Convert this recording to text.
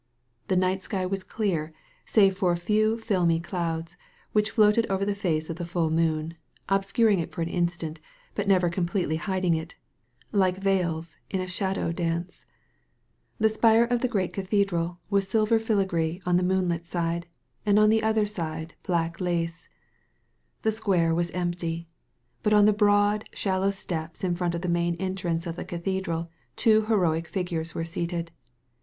The night sky was dear, save for a few filmy douds, which floated over the face of the full moon, obscuring it for an instant, but never completely hiding it — ^like veils in a shadow dance. The spire 4 A REMEMBERED DREAM of the great cathedral was silver filigree on the moonlit side, and on the other side, black lace. The square was empty. But on the broad, shallow steps in front of the main entrance of the cathedral two heroic figiures were seated.